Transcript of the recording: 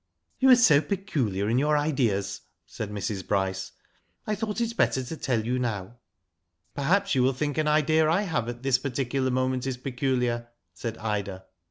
"You are so peculiar in your ideas," said Mrs. Bryce. *'I thought it better to tell you now." ." Perhaps you will think an idea I have at this particular moment is peculiar," said Ida.